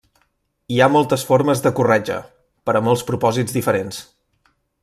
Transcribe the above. Hi ha moltes formes de corretja, per a molts propòsits diferents.